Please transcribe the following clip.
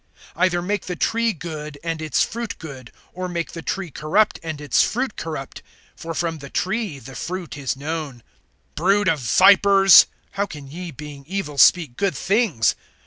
(33)Either make the tree good and its fruit good, or make the tree corrupt and its fruit corrupt; for from the fruit the tree is known. (34)Brood of vipers! How can ye, being evil, speak good things?